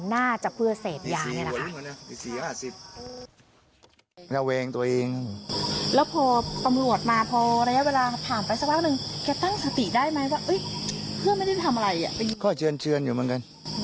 น่าจะเพื่อเสพยาเนี่ยนะคะ